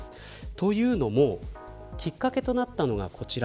というのもきっかけとなったのが、こちら。